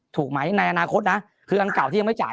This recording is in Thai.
ถูกไหมในอนาคตนะคืออันเก่าที่ยังไม่จ่าย